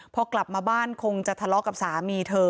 พอกลับมาบ้านคงจะทะเลาะกับสามีเธอ